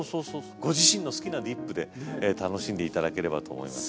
ご自身の好きなディップで楽しんで頂ければと思います。